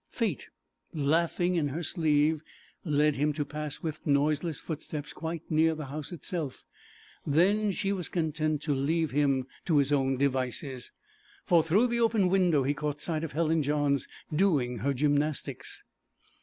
Fate, laughing in her sleeve, led him to pass with noiseless footsteps quite near the house itself; then she was content to leave him to his own devices, for through the open window he caught sight of Helen Johns doing her gymnastics.